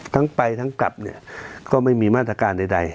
ทั้งไปทั้งกลับเนี่ยก็ไม่มีมาตรการใด